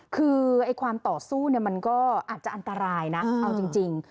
คือความต่อสู้มันก็อาจจะอันตรายนะเอาจริง